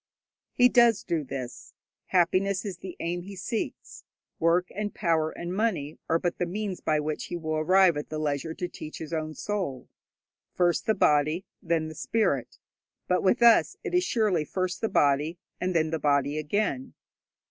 He does do this. Happiness is the aim he seeks. Work and power and money are but the means by which he will arrive at the leisure to teach his own soul. First the body, then the spirit; but with us it is surely first the body, and then the body again.